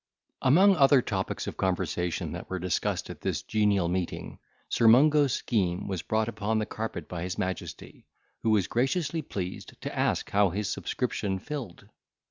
Among other topics of conversation that were discussed at this genial meeting, Sir Mungo's scheme was brought upon the carpet by his majesty, who was graciously pleased to ask how his subscription filled?